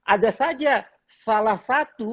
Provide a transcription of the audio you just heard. ada saja salah satu